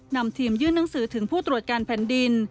นำทีมยื่นหนังสือถึงผู้ตรวจการแผ่นดิน